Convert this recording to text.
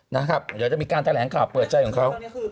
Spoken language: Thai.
เดี๋ยวจะมีการแถลงข่าวเปิดใจของเขา